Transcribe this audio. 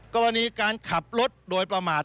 กรณีการขับรถโดยประมาท